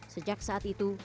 sejak saat itu